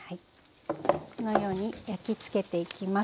このように焼き付けていきます。